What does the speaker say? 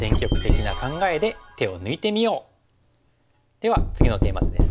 では次のテーマ図です。